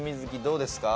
どうですか？